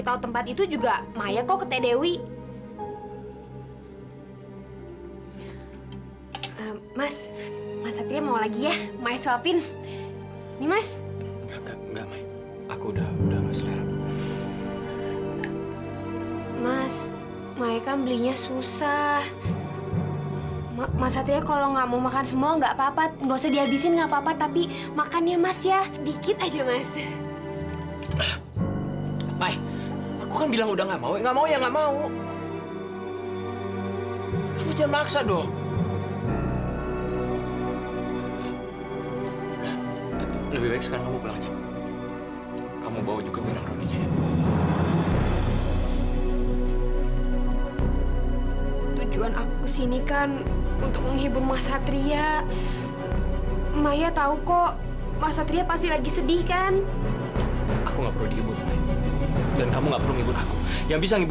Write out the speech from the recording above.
sampai kapan kita akan terus membohongi semua orang